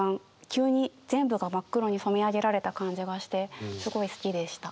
急に全部が真っ黒に染め上げられた感じがしてすごい好きでした。